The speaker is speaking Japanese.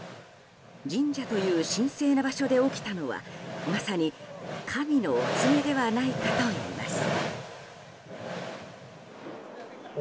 神社という神聖な場所で起きたのはまさに神のお告げではないかといいます。